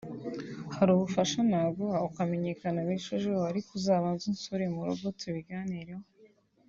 hari ubufasha naguha ukamenyekana birushijejo ariko uzabanze unsure mu rugo tubiganireho